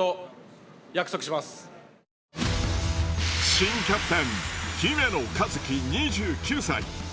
新キャプテン姫野和樹２９歳。